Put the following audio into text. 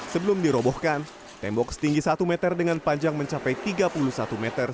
sebelum dirobohkan tembok setinggi satu meter dengan panjang mencapai tiga puluh satu meter